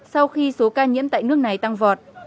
sau khi số ca nhiễm tại nước này tăng vọt